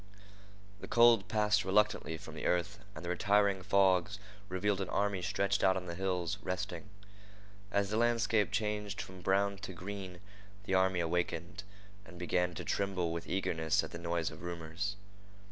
The cold passed reluctantly from the earth, and the retiring fogs revealed an army stretched out on the hills, resting. As the landscape changed from brown to green, the army awakened, and began to tremble with eagerness at the noise of rumors.